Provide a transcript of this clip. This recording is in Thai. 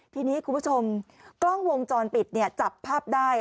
ทีนี้คุณผู้ชมกล้องวงจรปิดจับภาพได้